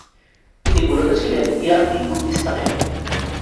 তিনি মূলত ছিলেন ইরাকি কুর্দিস্তানের।